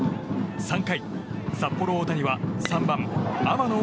３回、札幌大谷は３番、天野鳳